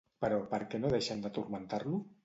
Però per què no deixen de turmentar-lo?